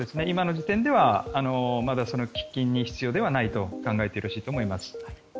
今の時点ではまだその喫緊に必要ではないと考えてよろしいと思います。